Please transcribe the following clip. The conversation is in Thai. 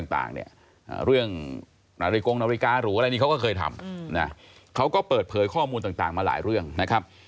ต่างมาหลายเรื่องนะครับ